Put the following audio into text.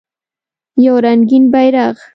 یو رنګین بیرغ